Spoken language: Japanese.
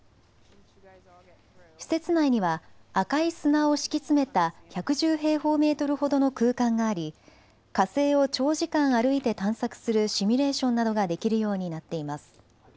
施設内には赤い砂を敷き詰めた１１０平方メートルほどの空間があり火星を長時間歩いて探索するシミュレーションなどができるようになっています。